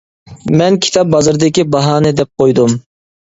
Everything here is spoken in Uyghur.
مەن كىتاب بازىرىدىكى باھانى دەپ قويدۇم.